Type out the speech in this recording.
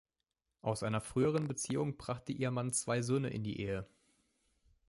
Aus einer früheren Beziehung brachte ihr Mann zwei Söhne in die Ehe.